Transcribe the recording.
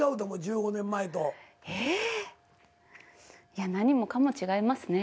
いや何もかも違いますね。